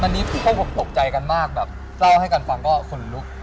อันนี้พวกผมตกใจกันมากแบบเล่าให้กันฟังก็ขนลุก